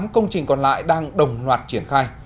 tám công trình còn lại đang đồng loạt triển khai